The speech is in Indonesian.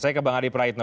saya ke bang adi praetno